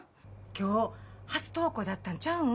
今日初登校だったんちゃうん？